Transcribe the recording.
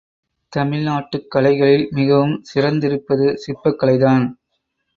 தமிழ்நாட்டுக் கலைகளில் மிகவும் சிறந்திருப்பது சிற்பக் கலைதான்.